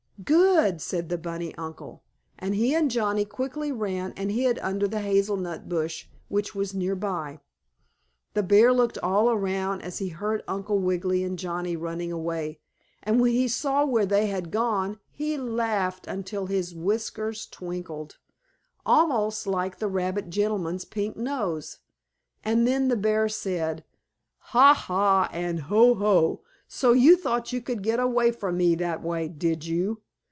"Good!" said the bunny uncle. And he and Johnnie quickly ran and hid under the hazel nut bush, which was nearby. The bear looked all around as he heard Uncle Wiggily and Johnnie running away, and when he saw where they had gone he laughed until his whiskers twinkled, almost like the rabbit gentleman's pink nose, and then the bear said: "Ha, ha! and Ho, ho! So you thought you could get away from me that way, did you?